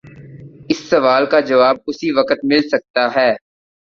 اس سوال کا جواب اسی وقت مل سکتا ہے۔